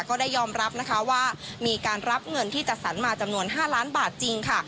ก็ได้ยอมรับนะคะว่ามีการรับเงินที่จัดสรรมาจำนวน๕ล้านบาทจริงค่ะ